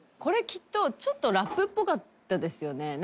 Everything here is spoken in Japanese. これきっとちょっとラップっぽかったですよね。